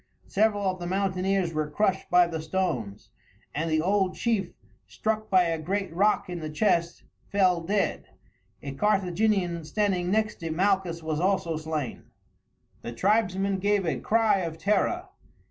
Several of the mountaineers were crushed by the stones, and the old chief, struck by a great rock in the chest, fell dead. A Carthaginian standing next to Malchus was also slain. The tribesmen gave a cry of terror.